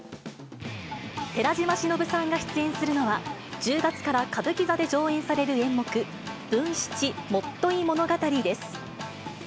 寺島しのぶさんが出演するのは、１０月から歌舞伎座で上演される演目、文七元結物語です。